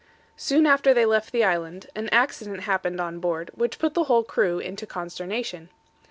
Soon after they left the island, an accident happened on board, which put the whole crew into consternation.